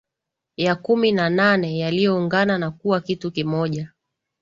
ya kumi na nane yaliyoungana na kuwa kitu kimoja